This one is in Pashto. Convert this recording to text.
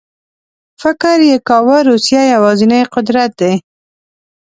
فکر یې کاوه روسیه یوازینی قدرت دی.